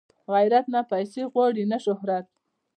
غیرت نه پیسې غواړي نه شهرت